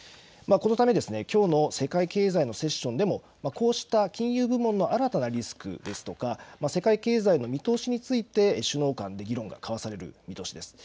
このためきょうの世界経済のセッションでもこうした金融部門の新たなリスクですとか世界経済の見通しについて首脳間で議論が交わされる見通しです。